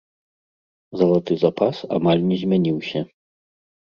Залаты запас амаль не змяніўся.